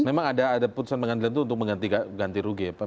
memang ada putusan mengandalkan itu untuk mengganti rugi ya